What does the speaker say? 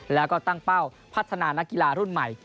แล้วก็ตั้งเป้าพัฒนานักกีฬารุ่นใหม่